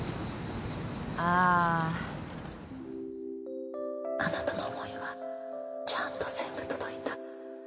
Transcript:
あーあなたの思いはちゃーんと全部届いた